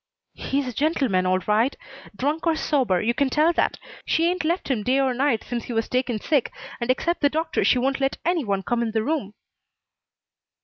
"He's a gentleman, all right. Drunk or sober, you can tell that. She ain't left him day or night since he was taken sick, and except the doctor she won't let any one come in the room."